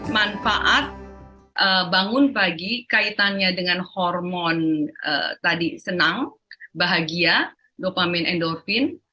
manfaat bangun pagi kaitannya dengan hormon tadi senang bahagia dopamin endorfin